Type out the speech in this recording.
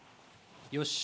よし。